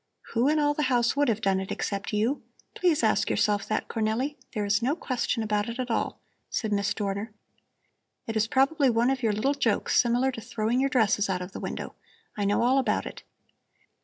"Who in all the house would have done it except you? Please ask yourself that, Cornelli! There is no question about it at all," said Miss Dorner. "It is probably one of your little jokes similar to throwing your dresses out of the window. I know all about it.